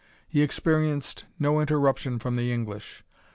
He experienced no interruption from the English.